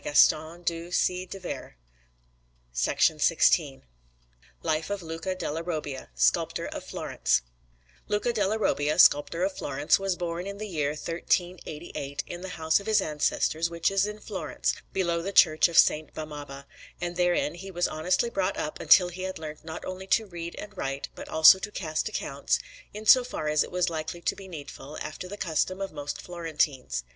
Florence: Opera del Duomo) Anderson] LIFE OF LUCA DELLA ROBBIA SCULPTOR OF FLORENCE Luca Della Robbia, sculptor of Florence, was born in the year 1388 in the house of his ancestors, which is in Florence, below the Church of S. Barnaba; and therein he was honestly brought up until he had learnt not only to read and write but also to cast accounts, in so far as it was likely to be needful, after the custom of most Florentines.